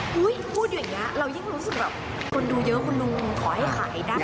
พูดอย่างนี้เรายิ่งรู้สึกแบบคนดูเยอะคุณลุงขอให้ขายได้